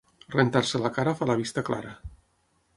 Rentar-se la cara fa la vista clara.